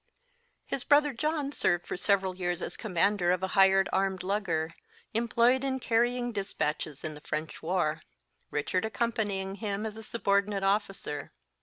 His brother John served for several years as commander of a hired armed lugger, employed in carrying despatches in the French war, Richard accompanying him as subordinate officer.